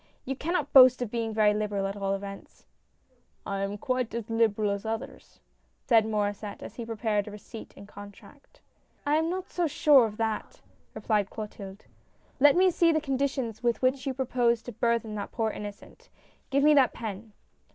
"You cannot boast of being very liberal at all events." " I am quite as liberal as others," said Maurdsset, as he prepared a receipt and contract. " I am not so sure of that," replied Clotilde. " Let me see the conditions with which you propose to burthen that poor innocent. Give me that pen."